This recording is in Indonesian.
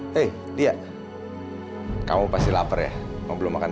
hai eh dia kamu pasti lapar ya mau belum makan